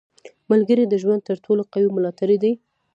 • ملګری د ژوند تر ټولو قوي ملاتړی دی.